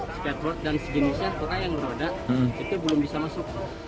skateboard dan sejenisnya orang yang roda itu belum bisa masuk